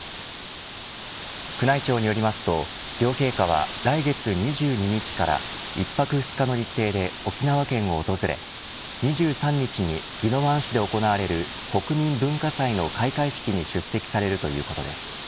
宮内庁によりますと両陛下は来月２２日から１泊２日の日程で沖縄県を訪れ２３日に宜野湾市で行われる国民文化祭の開会式に出席されるということです。